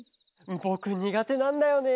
ぼくにがてなんだよね。